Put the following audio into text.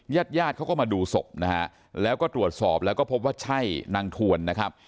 ญาติเขาก็มาดูศพแล้วก็ตรวจสอบแล้วก็พบว่าใช่นางทวน